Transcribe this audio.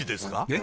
え？